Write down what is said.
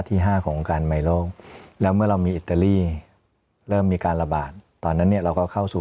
ห้าของวงการไมโลแล้วเมื่อเรามีอิตาลีเริ่มมีการระบาดตอนนั้นเนี่ยเราก็เข้าสู่